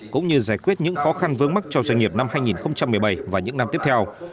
cũng như giải quyết những khó khăn vướng mắt cho doanh nghiệp năm hai nghìn một mươi bảy và những năm tiếp theo